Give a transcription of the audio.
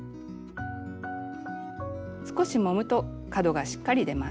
少しもむと角がしっかり出ます。